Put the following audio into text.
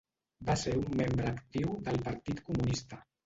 Va ser un membre actiu del Partit Comunista.